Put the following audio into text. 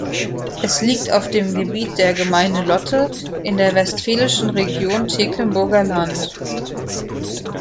Es liegt auf dem Gebiet der Gemeinde Lotte in der westfälischen Region Tecklenburger Land.